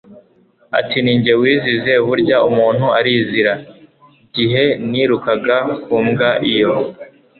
atini nge wizize burya umuntu arizira! ... gihe nirukaga ku mbwa iyo